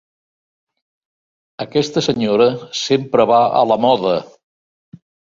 Aquesta senyora sempre va a la moda!